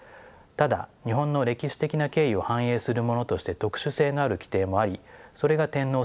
ただ日本の歴史的な経緯を反映するものとして特殊性のある規定もありそれが天皇制と九条です。